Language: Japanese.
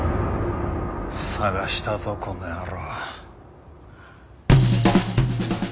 捜したぞこの野郎。